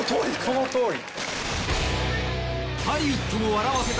そのとおり。